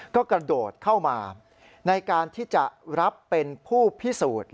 ก็กระโดดเข้ามาในการที่จะรับเป็นผู้พิสูจน์